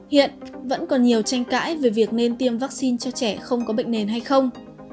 hiện vẫn còn nhiều tranh cãi về việc nên tiêm vaccine cho trẻ không có bệnh nền hay không